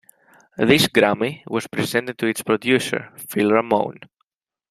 This Grammy was presented to its producer, Phil Ramone.